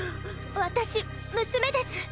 私娘です。